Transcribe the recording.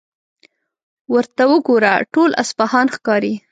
ورته وګوره، ټول اصفهان ښکاري.